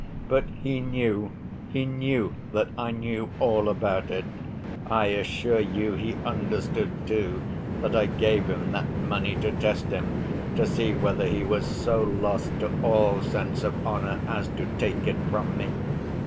But he knew, he knew that I knew all about it. I assure you he understood, too, that I gave him that money to test him, to see whether he was so lost to all sense of honor as to take it from me.